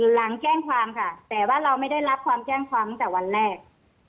หลังแจ้งความค่ะแต่ว่าเราไม่ได้รับความแจ้งความตั้งแต่วันแรก